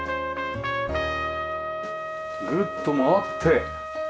ぐるっと回って。